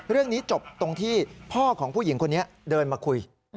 เรื่องนี้จบตรงที่พ่อของผู้หญิงคนนี้เดินมาคุย